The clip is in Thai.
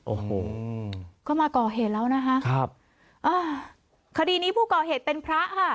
โอ้โหก็มาก่อเหตุแล้วนะคะครับอ่าคดีนี้ผู้ก่อเหตุเป็นพระค่ะ